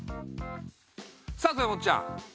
さあ豊本ちゃん。